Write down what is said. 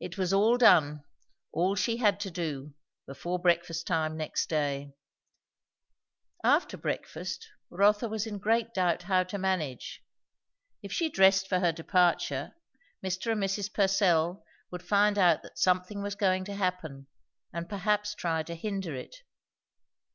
It was all done, all she had to do, before breakfast time next day. After breakfast Rotha was in great doubt how to manage. If she dressed for her departure, Mr. and Mrs. Purcell would find out that something was going to happen, and perhaps try to hinder it.